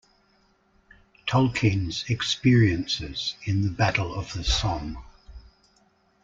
Tolkien's experiences in the Battle of the Somme.